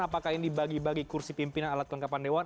apakah ini dibagi bagi kursi pimpinan alat kelengkapan dewan